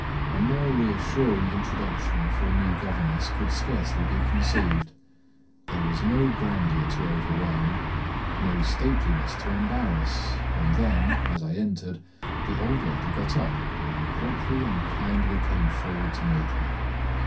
A more reassuring introduction for a new governess could scarcely be conceived; there was no grandeur to overwhelm, no stateliness to embarrass; and then, as I entered, the old lady got up and promptly and kindly came forward to meet me.